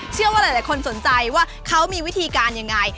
เชื่อว่าหลายคนสนใจว่าเขามีวิธีการยังไง